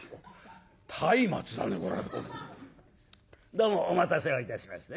どうもお待たせをいたしました。